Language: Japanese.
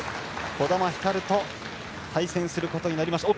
児玉ひかると対戦することになりました。